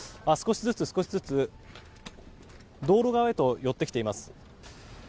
少しずつ、道路側へと寄ってきています。